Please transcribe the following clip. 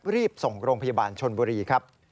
รีบส่งโรงพยาบาลชนบุรีครับ